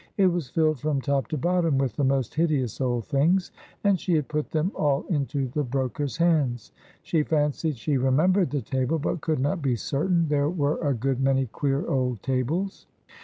It was filled from top to bottom with the most hideous old things, and she had put them all into the broker's hands. She fancied she remembered the table, but could not be certain; there were a good many queer old tables.